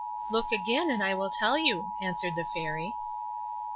"Look again, and I will tell you," answered the Fairy.